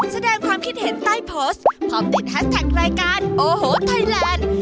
แสดงความคิดเห็นใต้โพสต์พร้อมติดแฮสแท็กรายการโอ้โหไทยแลนด์